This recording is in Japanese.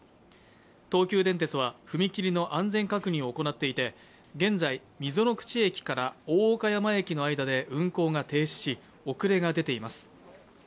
東急電鉄は、踏切の安全確認を行っていて現在、溝の口駅から大岡山駅の間で運行が停止し遅れが出ています。